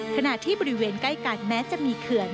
ขณะที่บริเวณใกล้กันแม้จะมีเขื่อน